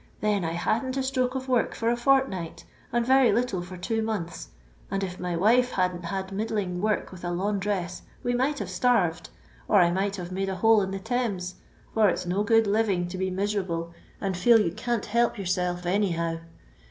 Then I hadn't a stroke of work for a fortiii^rht, and very little for two months, and if my wife hadn't had middling work with a laimdress we might have starved, or I might have made a hole in the Thames, for it *s no good living to be miserable and feel you can't help yourself any how.